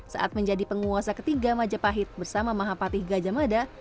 saat menjadi penguasa ketiga majapahit bersama mahapati gajah mada